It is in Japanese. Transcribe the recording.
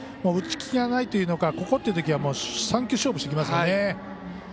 打ち気がないというのかここというときには３球勝負してきますよね。